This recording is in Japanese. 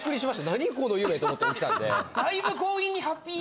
何この夢？と思って起きたんで。